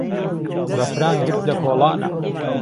بهفران گرت له کۆڵانه